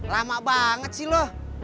lama banget sih lo